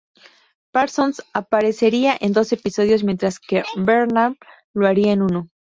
Parsons aparecería en dos episodios mientras que Bernhard lo haría en uno.